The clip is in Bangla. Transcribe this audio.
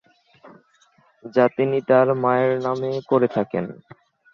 যা তিনি তার মায়ের নামে করে থাকেন।